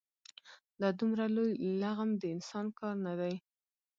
دا دومره لوی لغم د انسان کار نه دی.